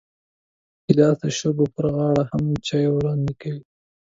ګیلاس د شګو پر غاړه هم چای وړاندې کوي.